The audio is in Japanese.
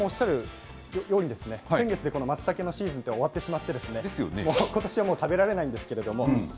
先月でまつたけのシーズンが終わってしまって今年はもう食べられないんですけれど